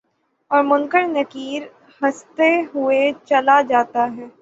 اور منکر نکیرہستہ ہوا چلا جاتا ہے